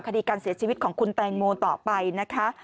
คดีการเสียชีวิตของคุณแตงโมต่อไปนะคะ